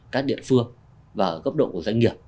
các địa phương và gấp độ của doanh nghiệp